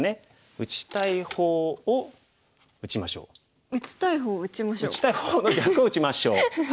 「打ちたい方の逆を打ちましょう」。